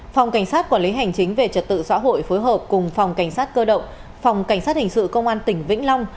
phòng cảnh sát quản lý hành chính về trật tự xã hội phối hợp cùng phòng cảnh sát cơ động phòng cảnh sát hình sự công an tỉnh vĩnh long